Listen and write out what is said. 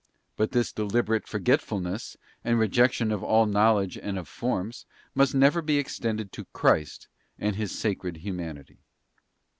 But this deliberate forgetful _ ness, and rejection of all knowledge and of forms, must never _ be extended to Christ and His Sacred Humanity.